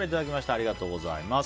ありがとうございます。